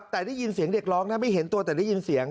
แต่ได้ยินเสียงเด็กร้องนะไม่เห็นตัวแต่ได้ยินเสียง